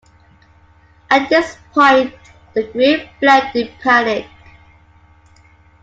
At this point the group fled in panic.